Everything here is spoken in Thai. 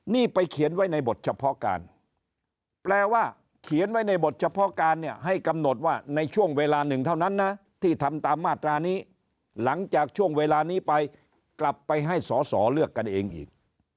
นี่ไปเขียนไว้ในบทเฉพาะการแปลว่าเขียนไว้ในบทเฉพาะการเนี่ยให้กำหนดว่าในช่วงเวลาหนึ่งเท่านั้นนะที่ทำตามมาตรานี้หลังจากช่วงเวลานี้ไปกลับไปให้สอสอเลือกกันเองอีก